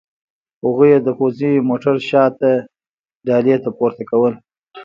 هغوی یې د پوځي موټر شاته ډالې ته پورته کول